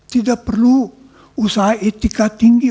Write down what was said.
tidak perlu usaha etika tinggi